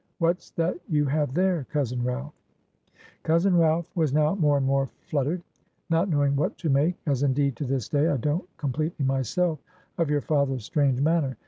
What's that you have there, cousin Ralph?' "Cousin Ralph was now more and more fluttered; not knowing what to make as indeed, to this day, I don't completely myself of your father's strange manner.